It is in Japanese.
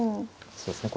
そうですね。